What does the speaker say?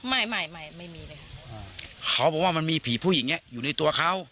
ไม่ไม่ไม่มีเลยเขาบอกว่ามันมีผีผู้หญิงเนี้ยอยู่ในตัวเขา